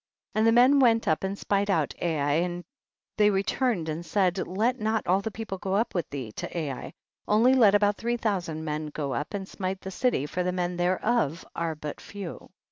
26. And the men went up and spied out Ai, and they returned and said, let not all the people go up with thee to Ai, only let about three thousand men go up and smite the city, for the men thereof are but few.